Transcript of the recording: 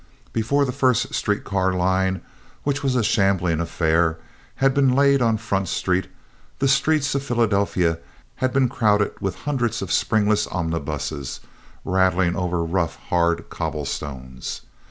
Before the first street car line, which was a shambling affair, had been laid on Front Street, the streets of Philadelphia had been crowded with hundreds of springless omnibuses rattling over rough, hard, cobblestones.